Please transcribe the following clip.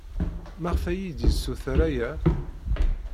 Maɣef ay iyi-d-yessuter aya?